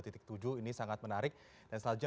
titik tujuh ini sangat menarik dan selanjutnya